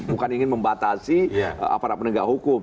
bukan ingin membatasi aparat penegak hukum